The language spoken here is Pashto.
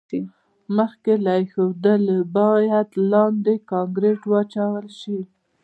مخکې له ایښودلو باید لاندې کانکریټ واچول شي